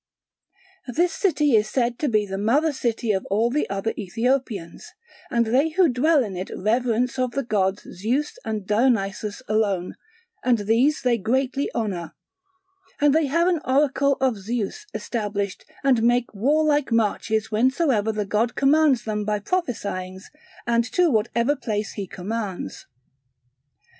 This city is said to be the mother city of all the other Ethiopians: and they who dwell in it reverence of the gods Zeus and Dionysos alone, and these they greatly honour; and they have an Oracle of Zeus established, and make warlike marches whensoever the god commands them by prophesyings and to whatsoever place he commands.